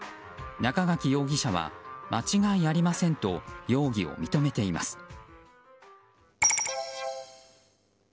中垣容疑者は間違いありませんと容疑を認めています。